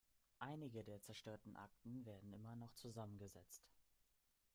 Einige der zerstörten Akten werden immer noch zusammengesetzt.